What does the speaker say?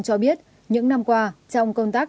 cho biết những năm qua trong công tác